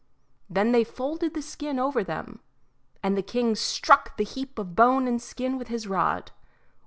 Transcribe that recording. Then they folded the skin over them, and the king struck the heap of bone and skin with his rod.